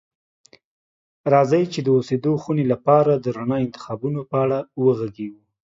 راځئ چې د اوسیدو خونې لپاره د رڼا انتخابونو په اړه وغږیږو.